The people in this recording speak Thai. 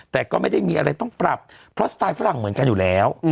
แต่ก็ไม่ได้มีอะไรต้องปรับเพราะสไตล์ฝรั่งเหมือนกันอยู่แล้ว